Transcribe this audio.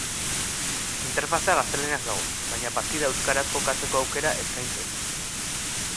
Interfazea gaztelaniaz dago, baina partida euskaraz jokatzeko aukera eskaintzen du.